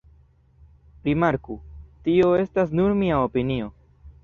Rimarku: tio estas nur mia opinio.